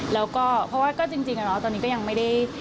แล้วก็เพราะว่าก็จริงตอนนี้ก็ยังไม่ได้